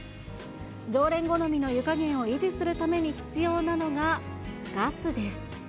常連好みの湯加減を維持するために必要なのが、ガスです。